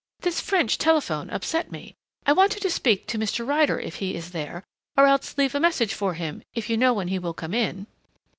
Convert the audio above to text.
"This French telephone upset me.... I wanted to speak to Mr. Ryder if he is there or else leave a message for him, if you know when he will come in."